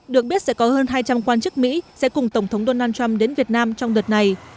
được biết sẽ có hơn hai trăm linh quan chức mỹ sẽ cùng tổng thống donald trump đến việt nam trong đợt này